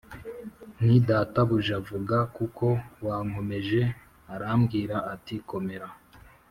nti databuja vuga b kuko wankomeje Arambwira ati komera